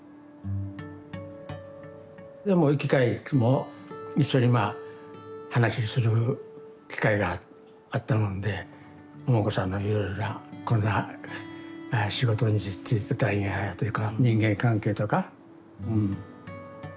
でもう行き帰り一緒にまあ話する機会があったもんでももこさんのいろいろなこんな仕事に就いてたんやとか人間関係とかうん。